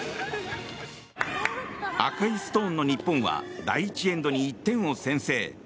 赤いストーンの日本は第１エンドに１点を先制。